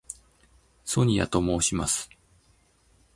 ソニアと申します。